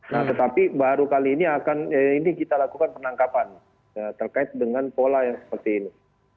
nah tetapi baru kali ini akan ini kita lakukan penangkapan terkait dengan pola yang seperti ini